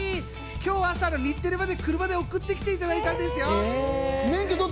今日、朝、日テレまで車で送ってきてもらったんですよ。